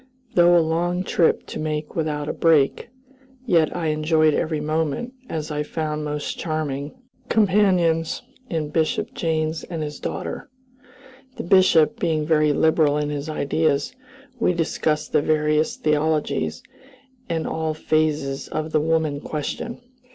Though a long trip to make without a break, yet I enjoyed every moment, as I found most charming companions in Bishop Janes and his daughter. The Bishop being very liberal in his ideas, we discussed the various theologies, and all phases of the woman question.